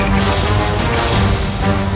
rangga soka tidak akan menyerangmu